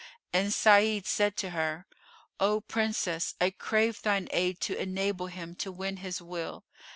'" And Sa'id said to her, "O Princess, I crave thine aid to enable him to win his will."